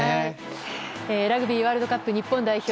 ラグビーワールドカップ日本代表。